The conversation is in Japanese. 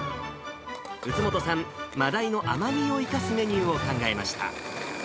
宇津本さん、まだいの甘みを生かすメニューを考えました。